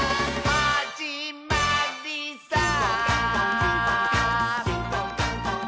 「はじまりさー」